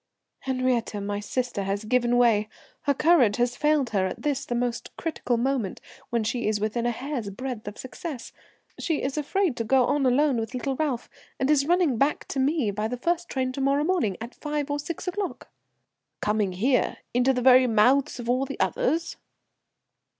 "Henriette, my sister, has given way. Her courage has failed her at this, the most critical moment, when she is within a hair's breadth of success. She is afraid to go on alone with little Ralph, and is running back to me by the first train to morrow morning, at five or six o'clock." "Coming here? Into the very mouths of all the others!"